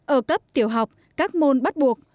ở cấp tiểu học các môn bắt buộc